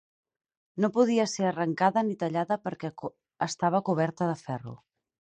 No podia ser arrencada ni tallada perquè estava coberta de ferro.